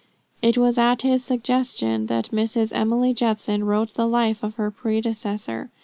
It was at his suggestion that Mrs. Emily Judson wrote the life of her predecessor.